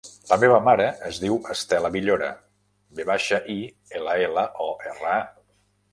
La meva mare es diu Estela Villora: ve baixa, i, ela, ela, o, erra, a.